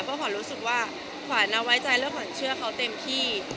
เพราะขวัญรู้สึกว่าขวัญไว้ใจแล้วขวัญเชื่อเขาเต็มที่